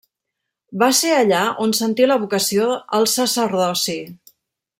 Va ser allà on sentí la vocació al sacerdoci.